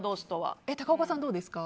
高岡さん、どうですか。